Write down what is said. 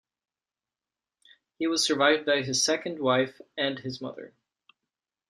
He was survived by his second wife and his mother.